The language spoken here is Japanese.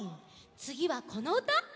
つぎはこのうた！